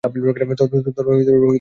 তোরা ভজঘট পাকিয়ে ফেলবি।